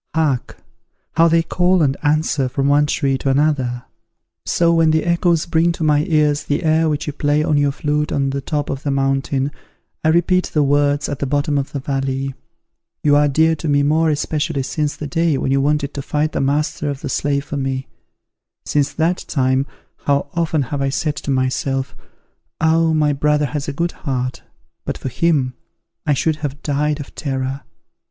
Hark! how they call and answer from one tree to another. So when the echoes bring to my ears the air which you play on your flute on the top of the mountain, I repeat the words at the bottom of the valley. You are dear to me more especially since the day when you wanted to fight the master of the slave for me. Since that time how often have I said to myself, 'Ah, my brother has a good heart; but for him, I should have died of terror.'